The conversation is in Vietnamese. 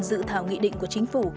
dự thảo nghị định của chính phủ